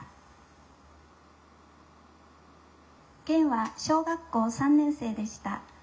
健は小学校３年生でした。